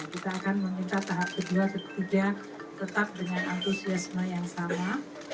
kita akan meminta tahap kedua ketiga tetap dengan antusiasme yang sama